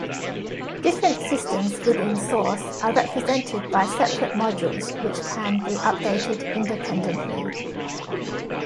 Different systems within Source are represented by separate modules which can be updated independently.